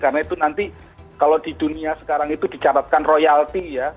karena itu nanti kalau di dunia sekarang itu dicabatkan royalti ya